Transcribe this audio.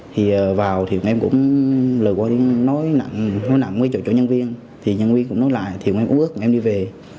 thì vào thì em cũng lời qua nói nặng với chỗ nhân viên thì nhân viên cũng nói lại thì em cũng ước em đi về